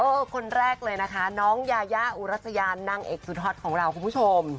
เพราะคนแรกเลยนะคะน้องยายาอูรัสยานนางเอกซุธรตของเราผู้ชม